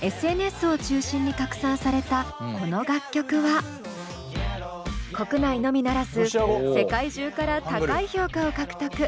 ２０２１年１２月ＳＮＳを中心に拡散されたこの楽曲は国内のみならず世界中から高い評価を獲得。